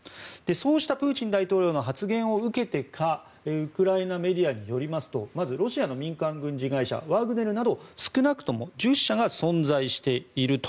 そうしたプーチン大統領の発言を受けてかウクライナメディアによりますとまずロシアの民間軍事会社ワグネルなど少なくとも１０社が存在していると。